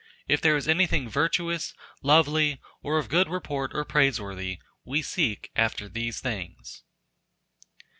If there is anything virtuous, lovely, or of good report or praise worthy we seek after these things.